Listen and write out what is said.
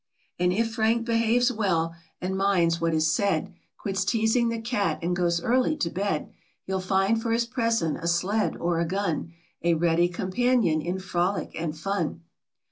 And if Frank behaves well, and minds what is said, Quits teasing the cat, and goes early to bed ; He'll find for his present a sled or a gun, A ready compan ion in frolic and fun.